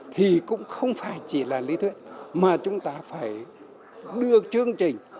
thì cũng không phải chỉ là lý thuyết mà chúng ta phải đưa chương trình